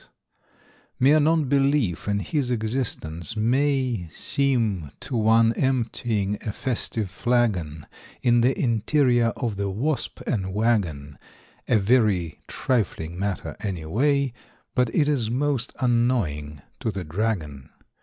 = Mere non belief in his existence may `Seem, to one emptying a festive flagon `In the interior of the "Wasp and Wagon," A very trifling matter any way. `But it is most annoying to the Dragon.